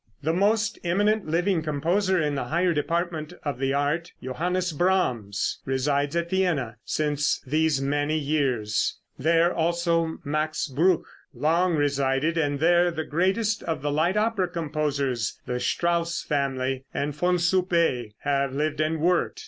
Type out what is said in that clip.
The most eminent living composer in the higher department of the art, Johannes Brahms, resides at Vienna since these many years; there also Max Bruch long resided, and there the greatest of the light opera composers, the Strauss family and Von Suppé, have lived and worked.